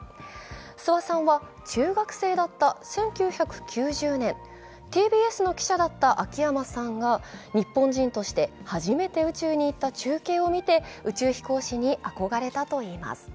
諏訪さんは中学生だった１９９０年、ＴＢＳの記者だった秋山さんが日本人として初めて宇宙に行った中継を見て、宇宙飛行士に憧れたといいます。